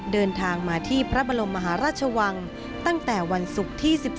เดินทางมาที่พระบรมมหาราชวังตั้งแต่วันศุกร์ที่๑๒